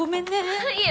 あっいえ